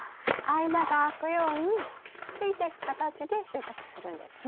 間が空くようにすいてく形で収穫するんですね。